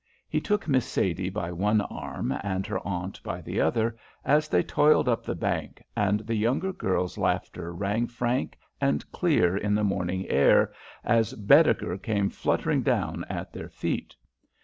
He took Miss Sadie by one arm and her aunt by the other as they toiled up the bank, and the young girl's laughter rang frank and clear in the morning air as "Baedeker" came fluttering down at their feet.